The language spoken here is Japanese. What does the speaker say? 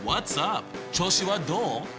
調子はどう？